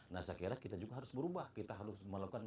nah saya kira kita juga harus berubah kita harus melakukan